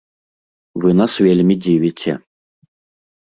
Вы нас вельмі дзівіце!